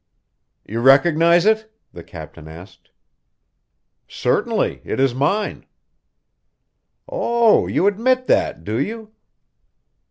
"You recognize it?" the captain asked. "Certainly; it is mine." "Oh, you admit that, do you?"